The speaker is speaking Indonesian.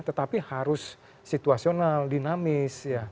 tetapi harus situasional dinamis